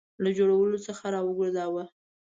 له جوړولو څخه را وګرځاوه.